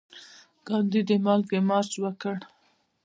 ګاندي د مالګې مارچ وکړ.